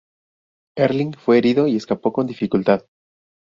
Erling fue herido y escapó con dificultad.